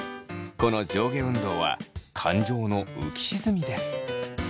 この上下運動は感情の浮き沈みです。